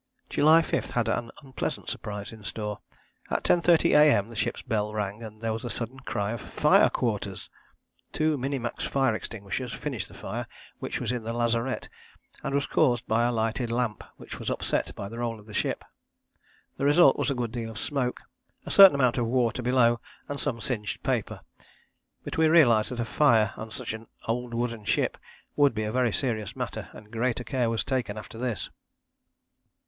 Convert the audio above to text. July 5 had an unpleasant surprise in store. At 10.30 A.M. the ship's bell rang and there was a sudden cry of "Fire quarters." Two Minimax fire extinguishers finished the fire, which was in the lazarette, and was caused by a lighted lamp which was upset by the roll of the ship. The result was a good deal of smoke, a certain amount of water below, and some singed paper, but we realized that a fire on such an old wooden ship would be a very serious matter, and greater care was taken after this.